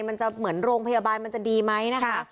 มันจะเหมือนโรงพยาบาลมันจะดีไหมนะคะ